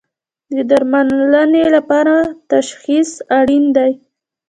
د درملنې لپاره تشخیص اړین دی